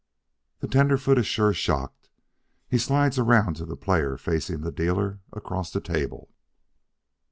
The tenderfoot is sure shocked. He slides around to the player facin' the dealer across the table.